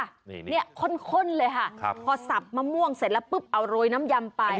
นี่เนี้ยข้นข้นเลยค่ะครับพอสับมะม่วงเสร็จแล้วปุ๊บเอารวยน้ำยำไป